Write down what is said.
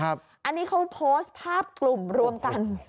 อันนี้เขาโพสต์ภาพกลุ่มรวมกัน